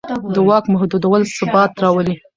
د واک محدودول ثبات راولي